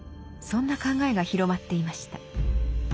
そんな考えが広まっていました。